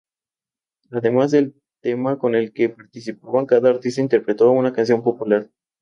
Además del tema con el que participaban, cada artista interpretó una canción popular.